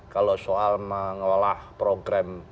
kalau soal mengelola program